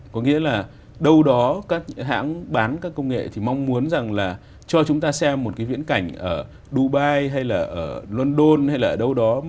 có nghĩa là đâu đó các hãng bán các công nghệ thì mong muốn rằng là cho chúng ta xem một cái viễn cảnh ở dubai hay là ở london hay là ở đâu đó